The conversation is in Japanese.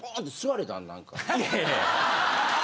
いやいや。